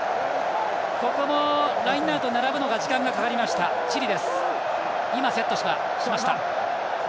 ここもラインアウト並ぶのに時間がかかった、チリ。